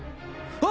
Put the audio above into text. あっ！